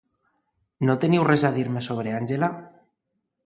No teniu res a dir-me sobre Àngela?